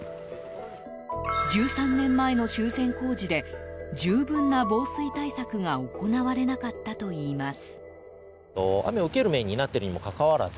１３年前の修繕工事で十分な防水対策が行われなかったといいます。